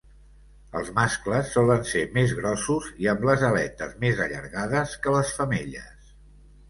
Els mascles solen ser més grossos i amb les aletes més allargades que les femelles.